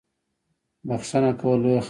بخښنه کول لویه خبره ده